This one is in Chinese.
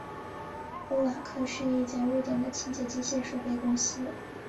欧瓦克是一家瑞典的清洁机械设备公司。